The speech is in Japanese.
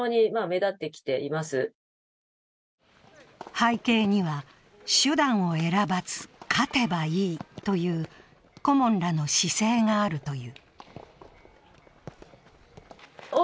背景には、手段を選ばず勝てばいいという顧問らの姿勢があるという。